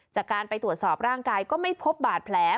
จากการไปตรวจสอบร่างกายก็ไม่พบบาดแผล